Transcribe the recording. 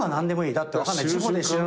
だって分かんない事故で。